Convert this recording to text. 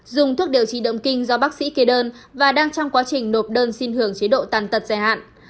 dùng thuốc điều trị động kinh do bác sĩ kê đơn và đang trong quá trình nộp đơn xin hưởng chế độ tàn tật dài hạn